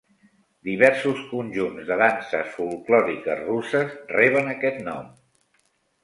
Diversos conjunts de danses folklòriques russes reben aquest nom.